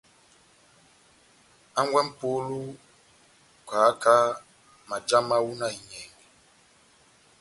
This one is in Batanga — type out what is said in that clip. Hangwɛ M'polo, kahaka maja mahu na enyɛngɛ.